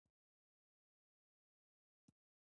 د پاور لوم په نامه اختراع وکړه.